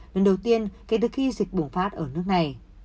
lần đầu tiên kể từ khi dịch bùng phát ở nước này